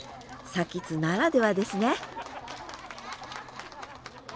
津ならではですね！